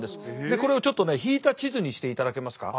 これをちょっと引いた地図にしていただけますか？